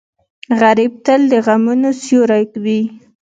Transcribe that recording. غریب تل د غمونو سیوری وي